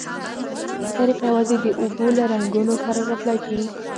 دا طریقه یوازې د اوبو له رنګونو سره را تلای شي.